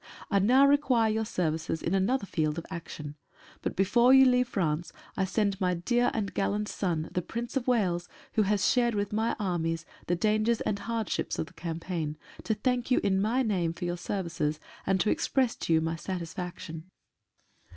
I now require your services in another field of action; but before you leave France I send my dear and gallant son, the Prince of Wales, who has shared with My Armies the dangers and hardships of the campaign, to thank you in My name for your services and to express to you My satisfaction.